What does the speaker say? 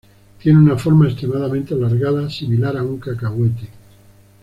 Tiene una forma extremadamente alargada, similar a un cacahuete.